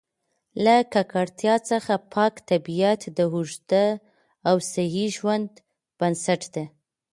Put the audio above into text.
له ککړتیا څخه پاک طبیعت د اوږده او صحي ژوند بنسټ دی.